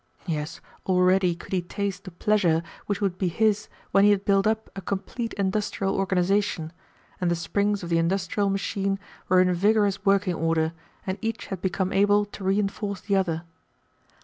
Yes, already could he taste the pleasure which would be his when he had built up a complete industrial organisation, and the springs of the industrial machine were in vigorous working order, and each had become able to reinforce the other.